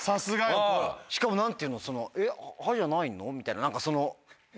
しかも何ていうのその「えっ？『は』じゃないの？」みたいな。